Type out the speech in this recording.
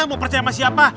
mau percaya sama siapa